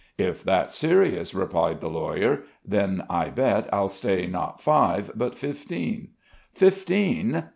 "If that's serious," replied the lawyer, "then I bet I'll stay not five but fifteen." "Fifteen!